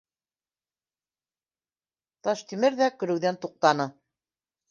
Таштимер ҙә көлөүҙән туҡтаны